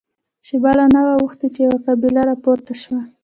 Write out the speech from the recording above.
شېبه لا نه وه اوښتې چې يوه قابله را بېرته شوه.